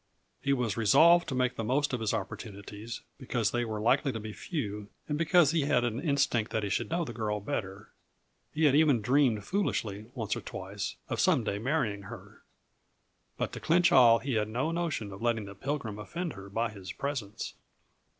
He was resolved to make the most of his opportunities, because they were likely to be few and because he had an instinct that he should know the girl better he had even dreamed foolishly, once or twice, of some day marrying her. But to clinch all, he had no notion of letting the Pilgrim offend her by his presence.